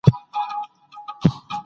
سپوږکۍ